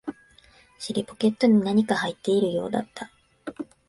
尻ポケットに何か入っているようだった